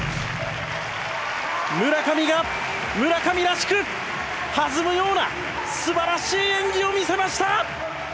村上が村上らしく弾むようなすばらしい演技を見せました！